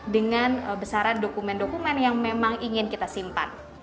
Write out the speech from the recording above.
dengan besaran dokumen dokumen yang memang ingin kita simpan